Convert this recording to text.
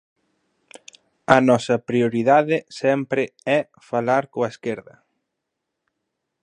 A nosa prioridade sempre é falar coa esquerda.